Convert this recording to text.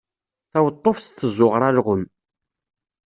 Taweṭṭuft tezzuɣer alɣem.